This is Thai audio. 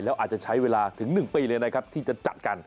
แล้วอาจจะใช้เวลาถึง๑ปีเลยนะครับที่จะจัดกัน